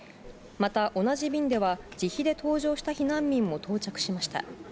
また同じ便では、自費で搭乗した避難民も到着しました。